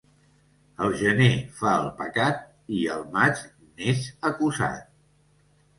El gener fa el pecat i el maig n'és acusat.